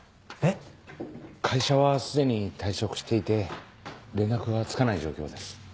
えっ⁉会社は既に退職していて連絡がつかない状況です。